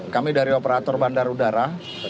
kami dari operator bandar udara